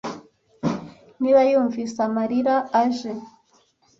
niba yumvise amarira aje